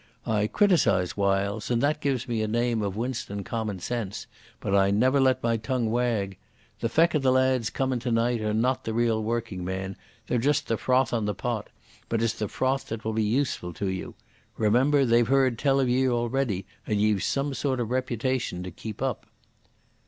I criticise whiles, and that gives me a name of whunstane common sense, but I never let my tongue wag. The feck o' the lads comin' the night are not the real workingman—they're just the froth on the pot, but it's the froth that will be useful to you. Remember they've heard tell o' ye already, and ye've some sort o' reputation to keep up."